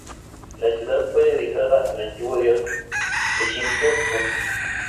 La ciudad fue dedicada al antiguo dios egipcio Horus.